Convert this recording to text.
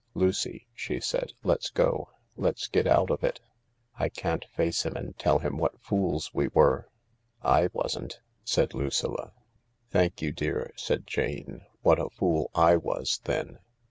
"Lucy," she said, "let's go. Let's get out of it. I can't face him and tell him what fools we were/' "I wasn't," said Lucilla. "Thank you, dear," said Jane. "What a fool J was, then.